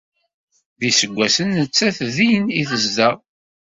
D iseggasen nettat din i tezdeɣ.